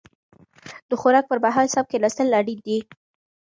د خوراک پر مهال سم کيناستل اړين دي.